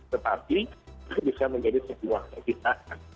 tetapi itu bisa menjadi sebuah kepisahan